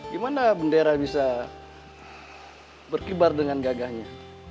gimana bendera bisa berkibar dengan gagahnya